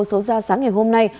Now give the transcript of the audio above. số ra sáng ngày hôm nay